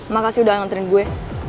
makasih udah nganterin gue